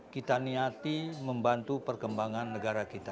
kita niati membantu perkembangan negara kita